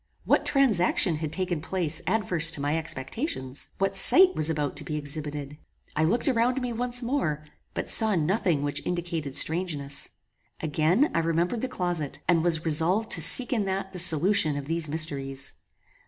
What transaction had taken place adverse to my expectations? What sight was about to be exhibited? I looked around me once more, but saw nothing which indicated strangeness. Again I remembered the closet, and was resolved to seek in that the solution of these mysteries.